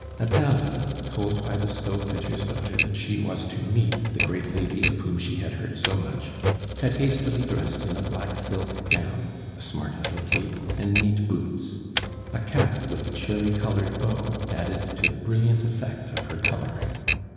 Atala, told by the stove fitter's daughter that she was to meet the great lady of whom she had heard so much, had hastily dressed in a black silk gown, a smart little cape, and neat boots. A cap with a cherry colored bow added to the brilliant effect of her coloring.